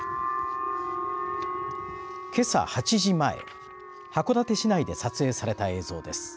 けさ８時前函館市内で撮影された映像です。